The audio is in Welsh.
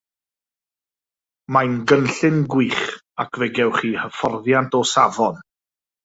Mae'n gynllun gwych ac fe gewch chi hyfforddiant o safon.